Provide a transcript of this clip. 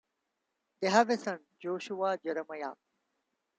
They have a son, Joshua Jeremiah.